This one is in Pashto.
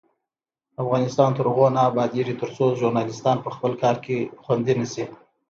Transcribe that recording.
افغانستان تر هغو نه ابادیږي، ترڅو ژورنالیستان په خپل کار کې خوندي نشي.